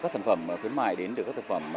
sản phẩm khuyến mãi đến từ các sản phẩm